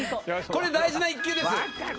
これ大事な１球ですよ。